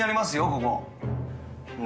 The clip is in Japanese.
ここ。